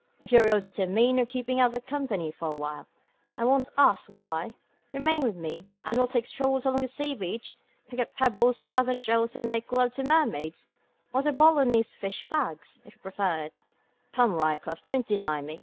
If you're really determined on keeping out of company for awhile I won't ask why remain with me, and we'll take strolls along the sea beach, pick up pebbles, gather shells, and make love to mermaids, or the Boulognese fish fags, if you prefer it. Come, Ryecroft, don't deny me.